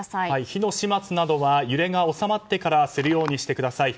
火の始末などは揺れが収まってからするようにしてください。